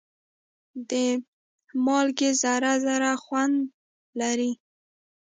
د مالګې ذره ذره خوند لري.